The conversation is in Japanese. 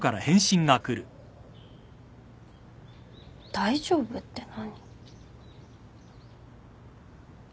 「大丈夫」って何？